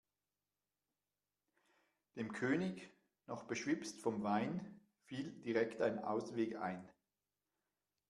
Dem König, noch beschwipst vom Wein, fiel direkt ein Ausweg ein.